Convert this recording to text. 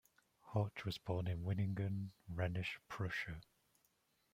Horch was born in Winningen, Rhenish Prussia.